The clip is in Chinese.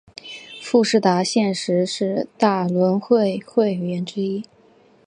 富士达现时是大轮会会员之一。